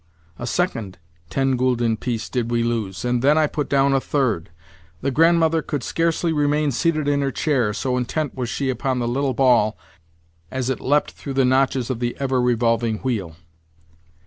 A second ten gülden piece did we lose, and then I put down a third. The Grandmother could scarcely remain seated in her chair, so intent was she upon the little ball as it leapt through the notches of the ever revolving wheel.